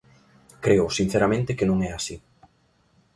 Creo, sinceramente, que non é así.